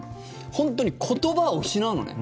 本当に言葉を失うのね。